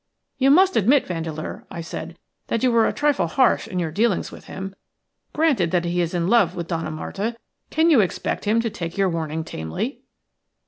"You must admit, Vandeleur," I said, "that you were a trifle harsh in your dealings with him. Granted that he is in love with Donna Marta, can you expect him to take your warning tamely?"